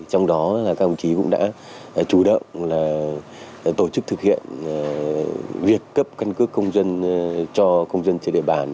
trong đó các ông chí cũng đã chủ động tổ chức thực hiện việc cấp căn cước công dân cho công dân trên địa bàn